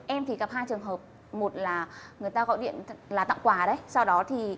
em thì gặp hai trường hợp một là người ta gọi điện là tặng quà đấy